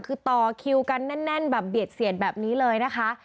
คือต่อคิวกันแน่นแบบเบียดเสียดแบบนี้เลยนะคะ